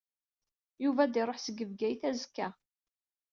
Yuba ad iṛuḥ seg Bgayet azekka.